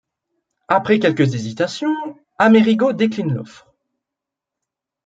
Après quelques hésitations, Amerigo décline l'offre.